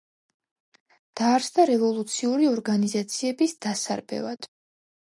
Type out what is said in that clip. დაარსდა რევოლუციური ორგანიზაციების დასარბევად.